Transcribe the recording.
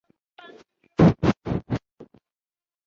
头孢唑肟常态下为白色或淡黄色结晶。